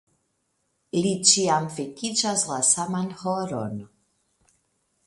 Li ĉiam vekiĝas la saman horon.